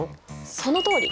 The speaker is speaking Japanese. そのとおり！